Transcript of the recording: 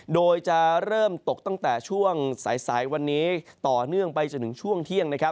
โดยจะเริ่มตกตั้งแต่ช่วงสายวันนี้ต่อเนื่องไปจนถึงช่วงเที่ยง